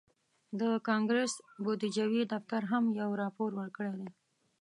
د کانګرس بودیجوي دفتر هم یو راپور ورکړی دی